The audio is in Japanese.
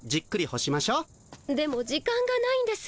でも時間がないんです。